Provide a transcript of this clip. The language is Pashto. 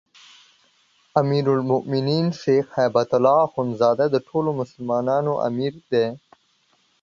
امیرالمؤمنین شيخ هبة الله اخوندزاده د ټولو مسلمانانو امیر دی